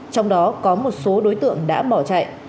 trong đó có một số đối tượng đã bỏ chạy